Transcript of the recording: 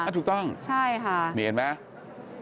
ถูกต้องมีเห็นไหมครับใช่ค่ะ